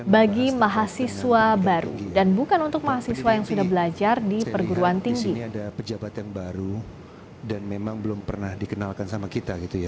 bagi mahasiswa baru dan bukan untuk mahasiswa yang sudah belajar di perguruan tinggi